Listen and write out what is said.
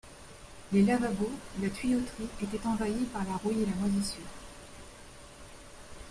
Les lavabos, la tuyauterie étaient envahis par la rouille et la moisissure.